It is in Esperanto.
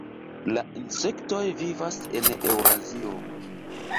La insektoj vivas en Eŭrazio.